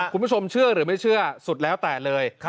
คุณผู้ชมเชื่อหรือไม่เชื่อสุดแล้วแต่เลย